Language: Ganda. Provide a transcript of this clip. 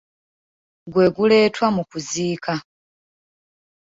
Gwe guleetwa mu kuziika.